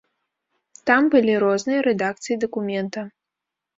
Там былі розныя рэдакцыі дакумента.